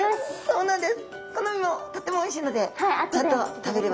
そうなんです。